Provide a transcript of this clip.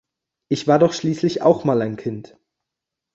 Ich war doch schließlich auch mal ein Kind.